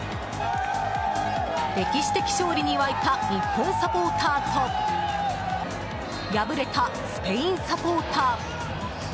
歴史的勝利に沸いた日本サポーターと敗れたスペインサポーター。